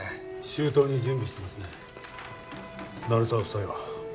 周到に準備してますね鳴沢夫妻は？